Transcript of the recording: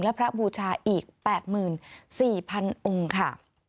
และพระบูชาอีก๘๔๐๐๐องค์ค่ะ